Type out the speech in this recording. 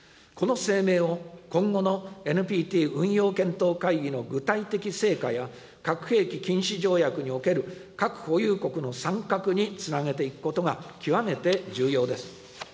この声明を今後のＮＰＴ運用検討会議の具体的成果や、核兵器禁止条約における核保有国の参画につなげていくことが極めて重要です。